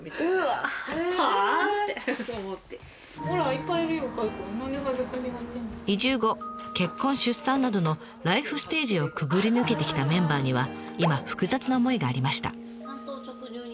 やっぱりとなるとやっぱり移住後結婚・出産などのライフステージをくぐり抜けてきたメンバーには今複雑な思いがありました。